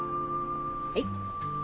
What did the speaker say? はい。